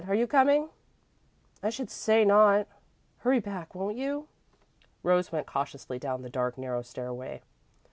"Are you coming?" "I should say not. Hurry back, won't you?" Rose went cautiously down the dark, narrow stairway.